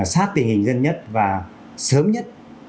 sát tình hình dân nhất và sớm nhất